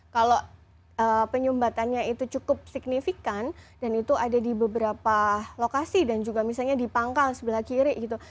kalau penyumbatannya itu cukup signifikan dan itu ada di beberapa lokasi dan juga misalnya di pangkal sebelah kiri gitu